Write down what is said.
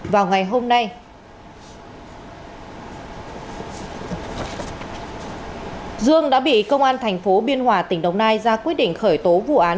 vào ngày hôm nay dương đã bị công an thành phố biên hòa tỉnh đồng nai ra quyết định khởi tố vụ án